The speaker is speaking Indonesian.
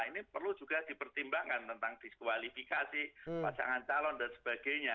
ini perlu juga dipertimbangkan tentang diskualifikasi pasangan calon dan sebagainya